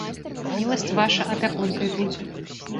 Міласць ваша апякункай будзе.